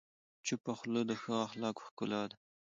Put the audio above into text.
چپه خوله، د ښه اخلاقو ښکلا ده.